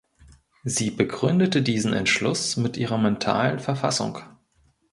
Sie begründete diesen Entschluss mit ihrer mentalen Verfassung.